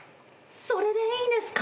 それでいいんですか？